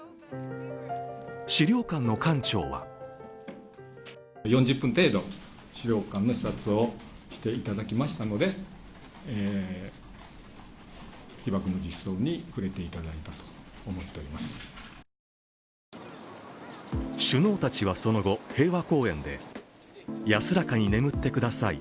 資料館の館長は首脳たちはその後、平和公園で安らかに眠ってください